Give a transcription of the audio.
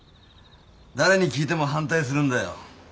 誰に聞いても反対するんだよ。